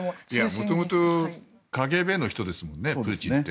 元々ＫＧＢの人ですもんねプーチンって。